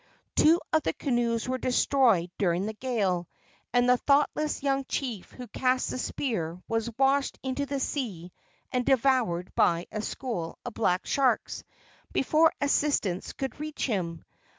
Two of the canoes were destroyed during the gale, and the thoughtless young chief who cast the spear was washed into the sea and devoured by a school of black sharks before assistance could reach him.